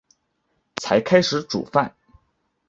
才开始煮饭